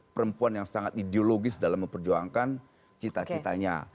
perempuan yang sangat ideologis dalam memperjuangkan cita citanya